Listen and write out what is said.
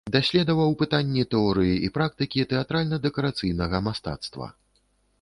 Даследаваў пытанні тэорыі і практыкі тэатральна-дэкарацыйнага мастацтва.